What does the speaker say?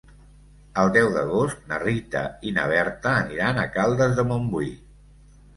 El deu d'agost na Rita i na Berta aniran a Caldes de Montbui.